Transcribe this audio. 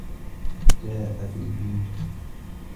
جَاءَتْ الْبِنْتُ.